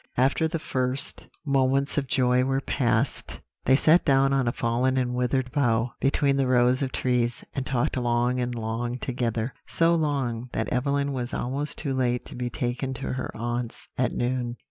"After the first moments of joy were past, they sat down on a fallen and withered bough, between the rows of trees, and talked long and long together; so long, that Evelyn was almost too late to be taken to her aunts at noon.